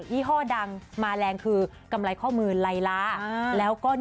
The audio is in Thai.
ยี่ห้อดังมาแรงคือกำไรข้อมือไลร้า